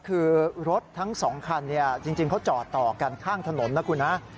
คือรถทั้ง๒คันจริงเขาจอดต่อกันข้างถนนนะคุณฮะ